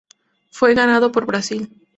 Fue ganado por Brasil.